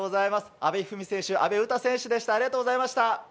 阿部一二三選手、阿部詩選手でした。